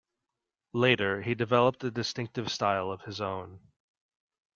Later he developed a distinctive style of his own.